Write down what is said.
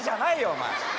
お前。